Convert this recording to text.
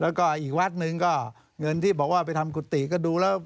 แล้วก็อีกวัดหนึ่งก็เงินที่บอกว่าไปทำกุฏิก็ดูแล้ว